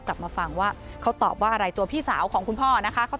กลับมาฟังว่าเขาตอบว่าอะไรตัวพี่สาวของคุณพ่อนะคะ